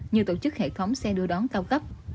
như tổ chức hệ thống xe đưa đón cao cấp